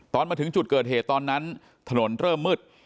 ตอนมาถึงจุดเกิดเหตุตอนนั้นถนนเริ่มมืด